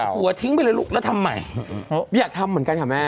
หัวทิ้งไปเลยลูกแล้วทำไมอยากทำเหมือนกันค่ะแม่